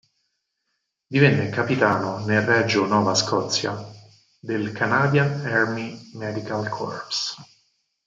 Divenne Capitano nel Regio Nova Scotia del Canadian Army Medical Corps.